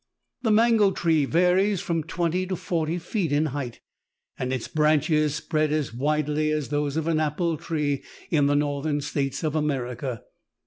The mango tree varies from twenty to forty feet in height, and its branches spread as widely as those of an apple tree in the Northern States of America.